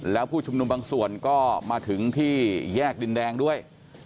แล้วผู้ชุมนุมบางส่วนก็มาถึงที่แยกดินแดงด้วย